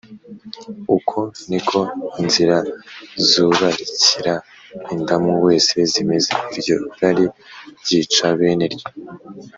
Uko ni ko inzira z’urarikira indamu wese zimeze, Iryo rari ryica bene ryo